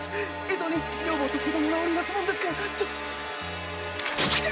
江戸に女房と子供がおりますので。